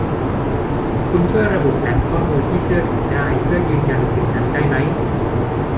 คุณช่วยระบุแหล่งข้อมูลที่เชื่อถือได้เพื่อยืนยันสิ่งนั้นได้มั้ย